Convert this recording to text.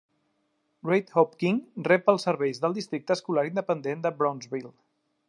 Reid Hope King rep els serveis del Districte Escolar Independent de Brownsville.